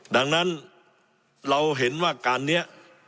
ดังนั้นเราเห็นว่าการนี้